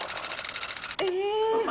え！